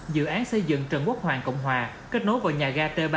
dự án xây dựng trần quốc hoàng cộng hòa kết nối vào nhà ga t ba